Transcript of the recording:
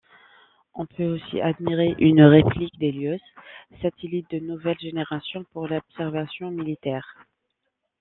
On peut aussi admirer une réplique d’Hélios, satellite de nouvelle génération pour l’observation militaire.